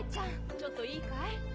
ちょっといいかい？